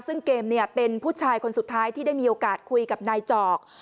ซึ่งเกมเป็นผู้ชายคนสุดท้ายที่ได้มีโอกาสคุยกับนายจอก